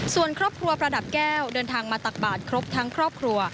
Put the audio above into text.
ส่วนครอบครัวประดับแก้วเดินทางมาตักบาทครบทั้งครอบครัว